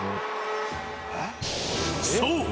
［そう。